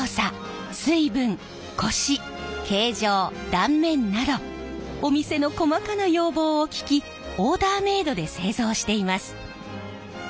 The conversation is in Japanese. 水分コシ形状断面などお店の細かな要望を聞きオーダーメードで製造しています。